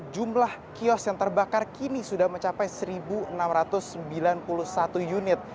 jumlah kios yang terbakar kini sudah mencapai satu enam ratus sembilan puluh satu unit